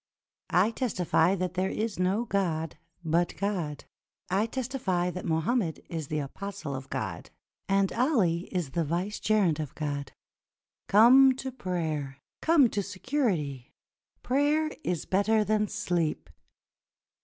I testify that there is no God but God ; I testify that Mohammed is the apostle of God, and Ali is the vicegerent of God. Come to prayer! Come to security ! Prayer is better than sleep."